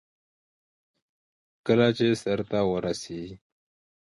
لویه جرګه د ملت د ادارې ستر مظهر ګڼل کیږي.